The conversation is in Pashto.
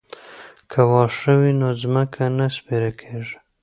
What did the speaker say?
که واښه وي نو ځمکه نه سپیره کیږي.